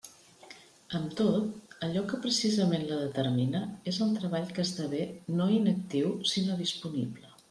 Amb tot, allò que precisament la determina és el treball que esdevé no inactiu sinó disponible.